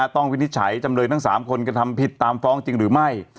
วินิจฉัยจำเลยทั้ง๓คนกระทำผิดตามฟ้องจริงหรือไม่